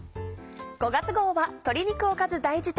５月号は「鶏肉おかず大辞典」。